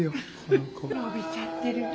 のびちゃってる。